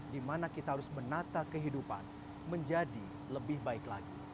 di mana kita harus menata kehidupan menjadi lebih baik lagi